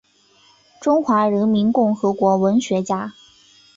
中华人民共和国文学家。